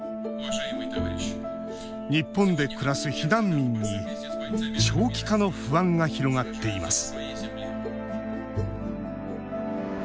日本で暮らす避難民に「長期化の不安」が広がっています